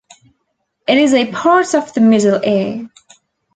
It is a part of the middle ear.